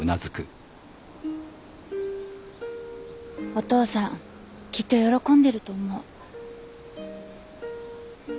お父さんきっと喜んでると思う。